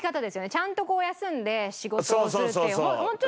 ちゃんと休んで仕事をするっていう。